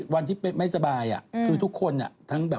วันที่เป๊ไม่สบายอย่างนั้นทุกคนอย่างนั้น